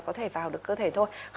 có thể vào được cơ thể thôi